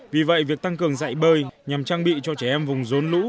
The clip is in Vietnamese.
vì vậy việc tăng cường dạy bơi nhằm trang bị cho trẻ em vùng rốn lũ